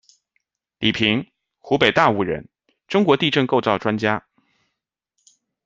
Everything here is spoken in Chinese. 李玶，湖北大悟人，中国地震构造专家。